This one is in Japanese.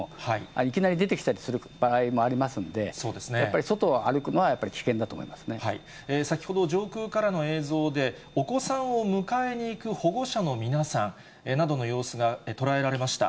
いきなり出てきたりする場合もありますので、やっぱり外を歩くの先ほど上空からの映像で、お子さんを迎えに行く保護者の皆さんなどの様子が捉えられました。